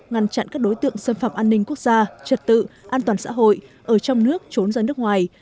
ngăn chặn các đối tượng xâm phạm an ninh quốc gia trật tự an toàn xã hội ở trong nước trốn ra nước ngoài